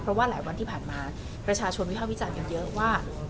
เพราะว่าหลายวันที่ผ่านมาประชาชนวิภาควิจารณ์กันเยอะว่า